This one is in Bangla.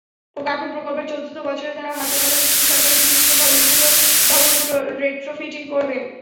এখন প্রকল্পের চতুর্থ বছরে তাঁরা হাতে-কলমে শুধু সরকারি ঝুঁকিপূর্ণ ভবনগুলো রেট্রোফিটিং করবেন।